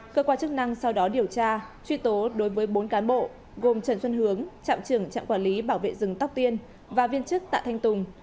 cơ quan chức năng sau đó điều tra truy tố đối với bốn cán bộ gồm trần xuân hướng trạm trưởng trạm quản lý bảo vệ rừng tóc tiên và viên chức tạ thanh tùng